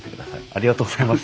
ありがとうございます。